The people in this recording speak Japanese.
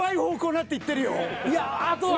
いやあと。